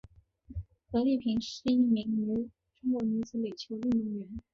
何丽萍是一名中国女子垒球运动员。